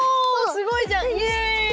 すごいじゃん！